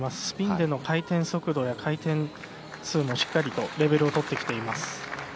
スピンでの回転速度や回転数もしっかりとレベルをとってきています。